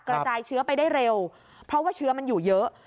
กระจายเชื้อไปได้เร็วเพราะว่าเชื้อมันอยู่เยอะ